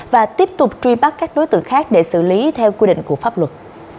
và tiếp tục truy bắt các đối tượng khác để xử lý theo quy định của pháp luật